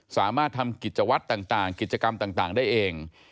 สามารถทำกิจวัตรต่างกิจกรรมต่างได้เอง